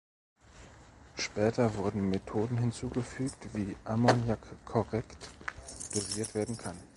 Später wurden Methoden hinzugefügt, wie Ammoniak korrekt dosiert werden kann.